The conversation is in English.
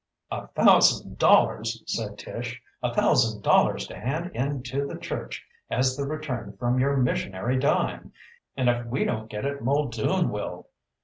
"A thousand dollars!" said Tish. "A thousand dollars to hand in to the church as the return from your missionary dime! And if we don't get it Muldoon will!